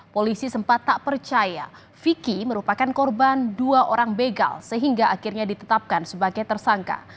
polisi sempat tak percaya vicky merupakan korban dua orang begal sehingga akhirnya ditetapkan sebagai tersangka